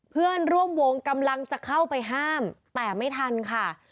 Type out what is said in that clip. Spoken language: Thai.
เพื่อนร่วมวงกำลังจะเข้าไปห้ามแต่ไม่ทันค่ะ